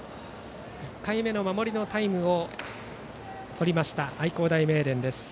１回目の守りのタイムをとりました愛工大名電です。